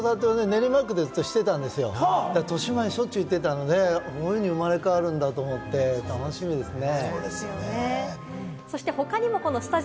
子育てをずっと練馬区でしていたんですよ。としまえんにしょっちゅう行っていたので、生まれ変わるんだと思って、楽しみですね。